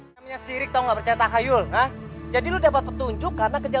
sampai jumpa di video selanjutnya